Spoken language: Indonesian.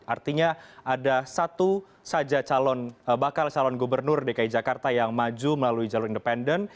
artinya ada satu saja bakal calon gubernur dki jakarta yang maju melalui jalur independen